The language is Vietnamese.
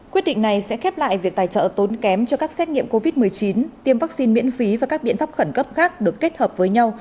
quyết định này sẽ khép lại việc tài trợ tốn kém cho các xét nghiệm covid một mươi chín tiêm vaccine miễn phí và các biện pháp khẩn cấp khác được kết hợp với nhau